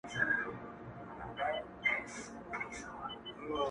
ستا تر ځوانۍ بلا گردان سمه زه,